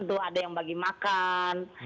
tuh ada yang bagi makan